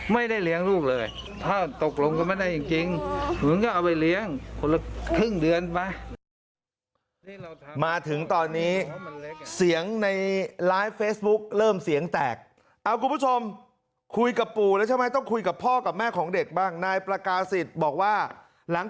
ไม่ได้เลี้ยงลูกเลยถ้าตกลงก็ไม่ได้จริง